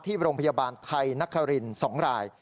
ที่โรงพยาบาลไทยนักฮารินสองราย